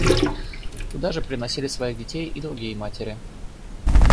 Туда же приносили своих детей и другие матери.